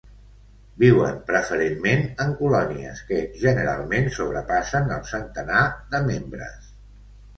Viuen preferentment en colònies que, generalment, sobrepassen el centenar de membres.